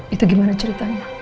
itu gimana ceritanya